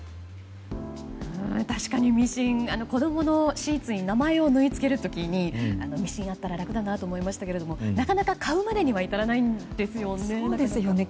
確かにミシン子供のシーツに名前を縫い付ける時にミシンがあったら楽だなと思いましたけどなかなか買うまでには至らないんですよね。